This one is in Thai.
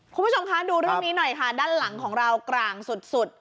คุณผู้ชมคะดูเรื่องนี้หน่อยค่ะด้านหลังของเรากลางสุด